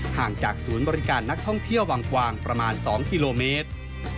ห่างจากศูนย์บริการนักท่องเที่ยววังกวางประมาณ๒กิโลเมตร